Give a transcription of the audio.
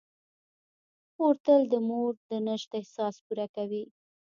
خور تل د مور د نشت احساس پوره کوي.